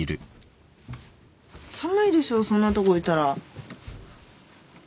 寒いでしょそんなとこいたら。